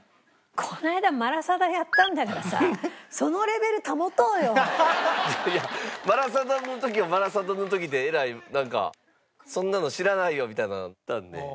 この間マラサダやったんだからさいやマラサダの時はマラサダの時でえらいなんかそんなの知らないよみたいなんあったんで。